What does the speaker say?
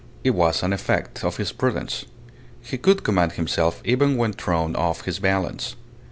It was an effect of his prudence. He could command himself even when thrown off his balance.